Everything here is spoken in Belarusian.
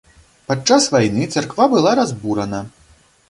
Падчас вайны царква была разбурана.